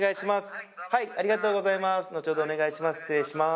後ほどお願いします